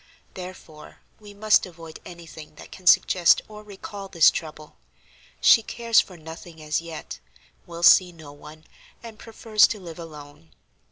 Therefore we must avoid any thing that can suggest or recall this trouble. She cares for nothing as yet, will see no one, and prefers to live alone.